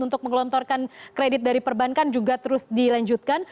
untuk menggelontorkan kredit dari perbankan juga terus dilanjutkan